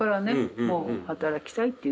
もう働きたいっていう気持ちが。